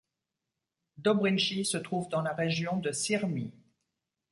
Dobrinci se trouve dans la région de Syrmie.